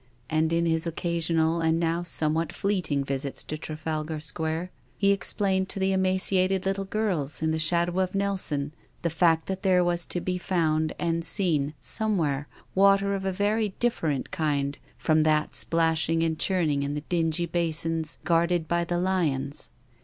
And, in his occasional, and now somewhat fleeting visits to Trafalgar Square, he explained to the emaciated little girls, in the shadow of Nelson, the fact that there was to be found, and seen, somewhere, water of a \'ery dif ferent kind from that splashing and clnirning in the dingy basins guarded by the lions.